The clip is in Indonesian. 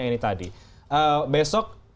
ini tadi besok